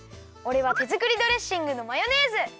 おれはてづくりドレッシングのマヨネーズ。